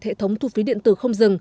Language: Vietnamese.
hệ thống thu phí điện tử không dừng